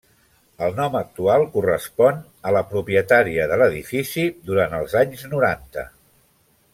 El nom actual correspon a la propietària de l'edifici durant els anys noranta.